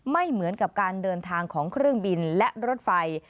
ไม่เหมือนกับการเดินทางของเครื่องบินและรถไฟ